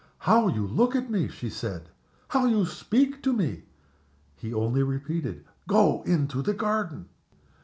"How you look at me!" she said. "How you speak to me!" He only repeated, "Go into the garden!"